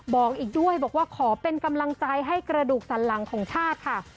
บอกอีกด้วยบอกว่าขอเป็นกำลังใจให้กระดูกสันหลังของชาติค่ะ